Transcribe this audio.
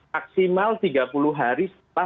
maksimal tiga puluh hari setelah